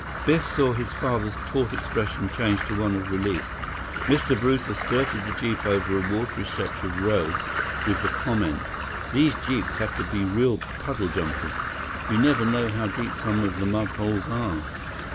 Biff saw his father's taut expression change to one of relief. Mr. Brewster spurted the jeep over a watery stretch of road with the comment: "These jeeps have to be real puddle jumpers. You never know how deep some of the mud holes are."